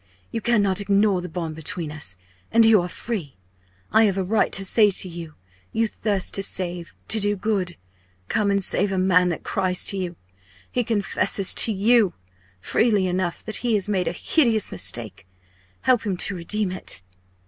You cannot ignore the bond between us! And you are free. I have a right to say to you you thirst to save, to do good come and save a man that cries to you! he confesses to you, freely enough, that he has made a hideous mistake help him to redeem it!"